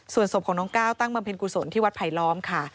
ส่วนศพของน้องก้าวตั้งบำเพ็ญกุศลที่วัดไผลล้อมค่ะ